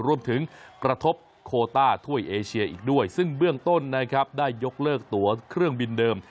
กระทบโคต้าถ้วยเอเชียอีกด้วยซึ่งเบื้องต้นนะครับได้ยกเลิกตัวเครื่องบินเดิม